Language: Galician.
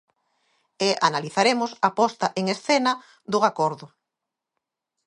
E analizaremos a posta en escena do acordo.